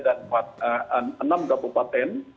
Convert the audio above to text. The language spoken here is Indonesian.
dan enam kabupaten